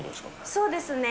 そうですね。